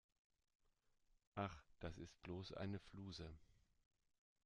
Ach, das ist bloß eine Fluse.